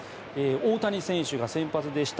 大谷選手が先発でした。